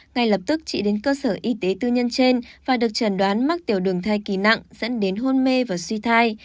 ngay lập tức chị đến cơ sở y tế tư nhân trên và được chẩn đoán mắc tiểu đường thai kỳ nặng dẫn đến hôn mê và suy thai